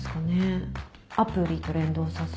アプリと連動させるとか？